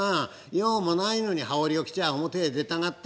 用もないのに羽織を着ちゃ表へ出たがって」。